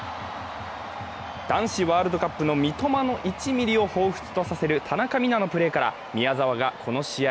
男子ワールドカップの三笘の１ミリを彷彿とさせる田中美南のプレーから宮澤がこの試合